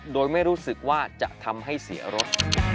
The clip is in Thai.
โดยไม่รู้สึกว่าจะทำให้เสียรถ